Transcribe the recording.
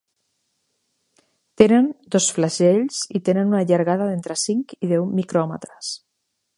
Tenen dos flagels i tenen una llargada d'entre cinc i deu micròmetres.